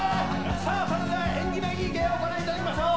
さあそれでは縁起のいい芸をご覧いただきましょう。